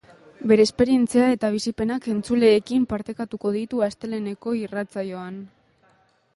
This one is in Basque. Bere esperientzia eta bizipenak entzuleekin partekatuko ditu asteleheneko irratsaioan.